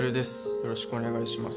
よろしくお願いします